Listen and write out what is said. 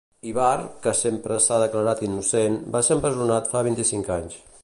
Ibar, que sempre s'ha declarat innocent, va ser empresonat fa vint-i-cinc anys.